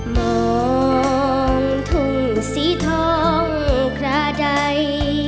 มองถุงสีทองขระใด